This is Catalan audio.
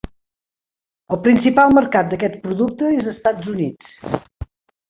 El principal mercat d'aquest producte és Estats Units.